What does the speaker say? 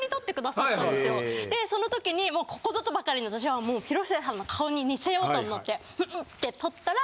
でその時にここぞとばかりに私はもう広末さんの顔に似せようと思ってんんって撮ったら。